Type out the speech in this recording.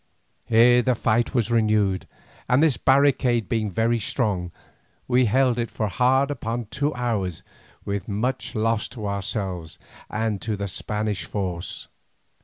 Here the fight was renewed, and this barricade being very strong, we held it for hard upon two hours with much loss to ourselves and to the Spanish force.